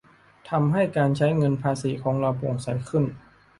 ทำให้การใช้เงินภาษีของเราโปร่งใสขึ้น